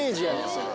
それ。